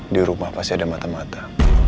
di rumah pasti ada mata mata